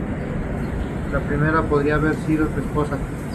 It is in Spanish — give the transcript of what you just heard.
La primera podría haber sido su esposa.